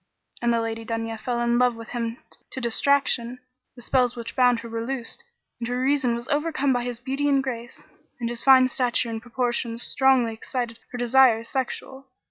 And the Lady Dunya fell in love with him to distraction; the spells which bound her were loosed and her reason was overcome by his beauty and grace; and his fine stature and proportions strongly excited her desires sexual.